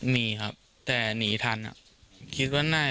มีครับแต่หนีทันคิดว่าน่าจะเป็นต่างสถาบัน